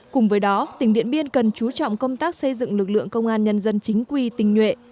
cùng với đó tỉnh điện biên cần chú trọng công tác xây dựng lực lượng công an nhân dân chính quy tình nhuệ